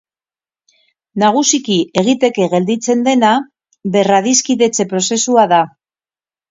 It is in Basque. Nagusiki egiteke gelditzen dena berradiskidetze prozesua da.